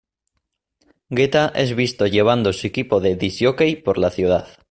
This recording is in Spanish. Guetta es visto llevando su equipo de "disc jockey" por la ciudad.